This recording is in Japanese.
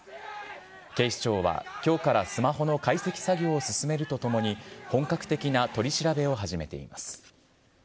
警視庁はきょうからスマホの解析作業を進めるとともに本格的な取り調べを始めています。